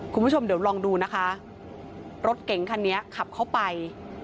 คุณผู้ชมเดี๋ยวลองดูนะคะรถเก๋งคันนี้ขับเข้าไป